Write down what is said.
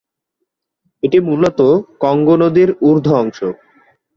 এটি মূলত কঙ্গো নদীর ঊর্ধ্ব অংশ।